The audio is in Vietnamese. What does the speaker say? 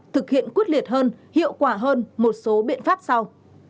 thực hiện quyết liệt hơn hiệu quả hơn một số biện pháp sau